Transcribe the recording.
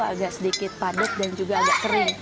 agak sedikit padat dan juga agak kering